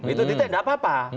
itu tidak apa apa